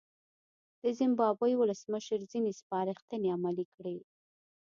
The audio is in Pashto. د زیمبابوې ولسمشر ځینې سپارښتنې عملي کړې.